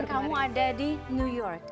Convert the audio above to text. dan kamu ada di new york